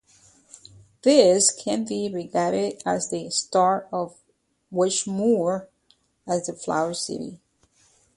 This can be regarded as the start of Wiesmoor as the 'Flower City'.